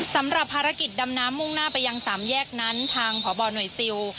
สำหรับภารกิจดำน้ำมุ่งหน้าไปยังสามแยกนั้นทางพบหน่วยซิล